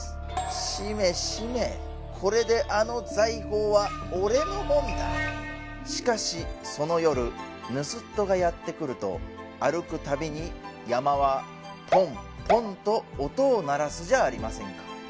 「しめしめこれであの財宝は俺のもんだ」しかしその夜盗っ人がやって来ると歩くたびに山はポンポンと音を鳴らすじゃありませんか